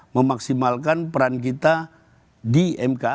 memaksimalkan peran kita di mk